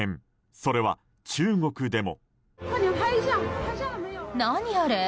それは、中国でも。